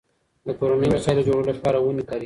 د کورنیو وسایلو جوړولو لپاره ونې کارېږي.